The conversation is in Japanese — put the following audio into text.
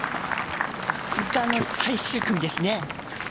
さすがの最終組ですね。